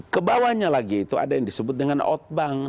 kebawahnya lagi itu ada yang disebut dengan otbang